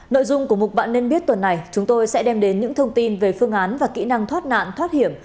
nội dung của mục bạn nên biết tuần này chúng tôi sẽ đem đến những thông tin về phương án và kỹ năng thoát nạn thoát hiểm